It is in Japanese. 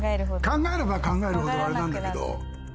考えれば考えるほどあれなんだけど。